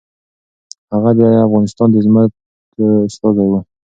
هغه د افغانستان د عظمت استازی و.